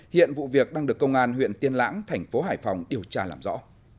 hiện vụ việc đang được công an huyện tiên lãng thành phố hải phòng điều tra làm rõ